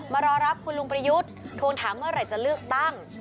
รอรับคุณลุงประยุทธ์ทวงถามเมื่อไหร่จะเลือกตั้ง